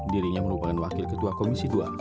dirinya merupakan wakil ketua komisi dua